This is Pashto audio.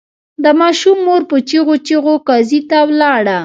د ماشوم مور په چیغو چیغو قاضي ته ولاړه.